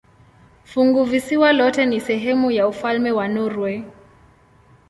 Funguvisiwa lote ni sehemu ya ufalme wa Norwei.